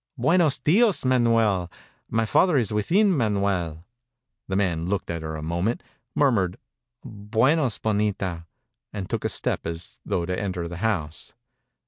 "Buenos dios, Manuel. My father is within, Manuel." The man looked at her a moment, murmured "Buenos, Bonita," and took a step as though to enter the house.